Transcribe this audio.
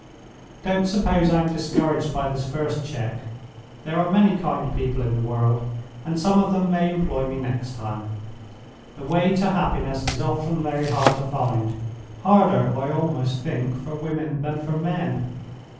"Don't suppose I am discouraged by this first check. There are many kind people in the world; and some of them may employ me next time. The way to happiness is often very hard to find; harder, I almost think, for women than for men.